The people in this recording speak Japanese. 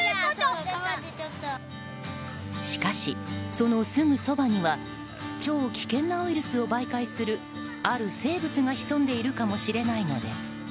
しかし、そのすぐそばには超危険なウイルスを媒介するある生物が潜んでいるかもしれないのです。